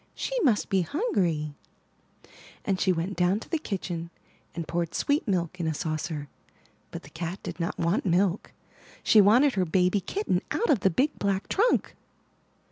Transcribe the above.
she must be hungry," and she went down to the kitchen and poured sweet milk in a saucer, but the cat did not want milk. She wanted her baby kitten out of the big black trunk!